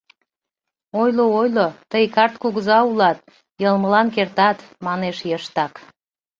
— Ойло-ойло, тый карт кугыза улат, йылмылан кертат, — манеш йыштак.